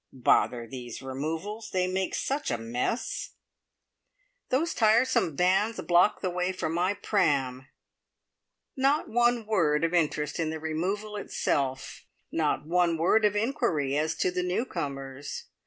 "Bother these removals. They make such a mess!" "Those tiresome vans block the way for my pram!" Not one word of interest in the removal itself! Not one word of inquiry as to the newcomers.